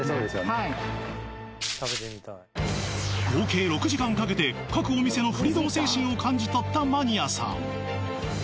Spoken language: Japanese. はい合計６時間かけて各お店のふり道精神を感じとったマニアさん